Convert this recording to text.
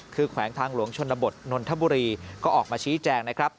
คือแขวงทางหลวงชนบทนนทบุรีก็ออกมาชี้แจงนะครับ